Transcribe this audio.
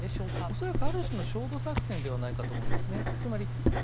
恐らくある種の焦土作戦ではないかと思いますね。